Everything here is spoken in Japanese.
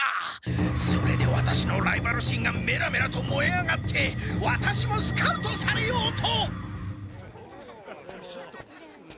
それでワタシのライバル心がメラメラともえ上がってワタシもスカウトされようと。